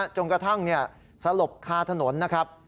จนกระทั่งสลบคาถนนนะครับ